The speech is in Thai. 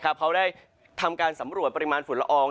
เขาได้ทำการสำรวจปริมาณฝุ่นละออง